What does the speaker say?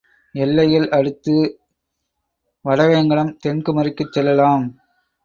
எல்லைகள் அடுத்து, வடவேங்கடம் தென்குமரிக்குச் செல்லலாம்.